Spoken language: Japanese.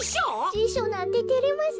じしょなんててれますねえ。